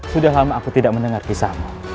sudah lama aku tidak mendengar kisahmu